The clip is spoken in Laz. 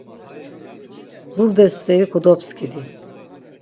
Burde steri kodobskidi.